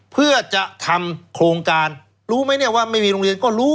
เพื่อจะทำโครงการรู้ไหมเนี่ยว่าไม่มีโรงเรียนก็รู้